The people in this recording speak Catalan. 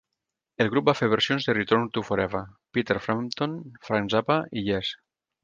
El grup va fer versions de Return to Forever, Peter Frampton, Frank Zappa i Yes.